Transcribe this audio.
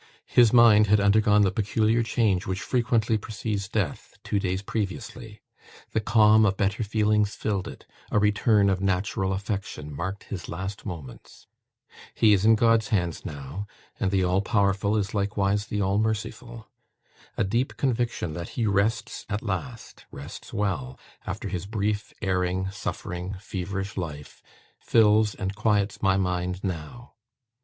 His mind had undergone the peculiar change which frequently precedes death, two days previously; the calm of better feelings filled it; a return of natural affection marked his last moments. He is in God's hands now; and the All Powerful is likewise the All Merciful. A deep conviction that he rests at last rests well, after his brief, erring, suffering, feverish life fills and quiets my mind now.